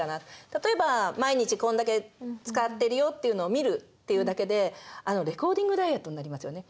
例えば毎日こんだけ使ってるよっていうのを見るっていうだけでレコーディングダイエットになりますよね。